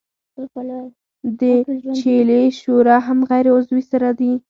د چیلې شوره هم غیر عضوي سره ده.